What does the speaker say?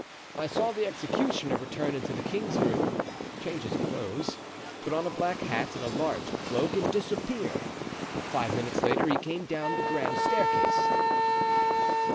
I saw the executioner return into the king's room, change his clothes, put on a black hat and a large cloak and disappear. Five minutes later he came down the grand staircase."